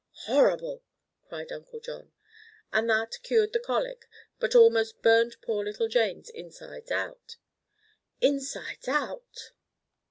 "Horrible!" cried Uncle John. "And that cured the colic but almost burned poor little Jane's insides out." "Insides out!"